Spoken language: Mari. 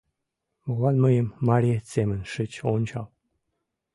Молан мыйым мариет семын шыч ончал?